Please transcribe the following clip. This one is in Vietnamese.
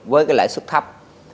với cái lãi xuất thấp